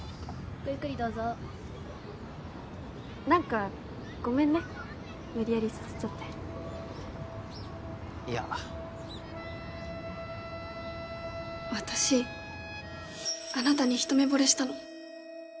ゆっくりどうぞ何かごめんね無理やり誘っちゃっていや私あなたに一目ぼれしたの